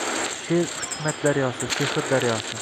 She’r — hikmat daryosi, sehr daryosi